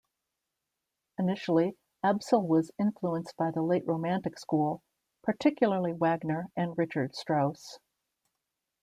Initially, Absil was influenced by the late Romantic school, particularly Wagner and Richard Strauss.